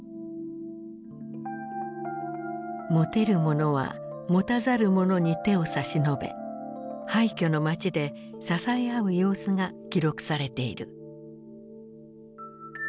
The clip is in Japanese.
持てる者は持たざる者に手を差し伸べ廃虚の街で支え合う様子が記録されている。